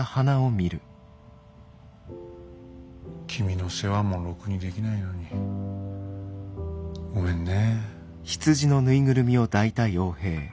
君の世話もろくにできないのにごめんね。